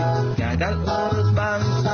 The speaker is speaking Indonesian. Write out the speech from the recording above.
nyadar urut bangsa